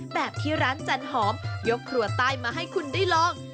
แบบที่ร้านจันหอมยกครัวใต้มาให้คุณได้ลอง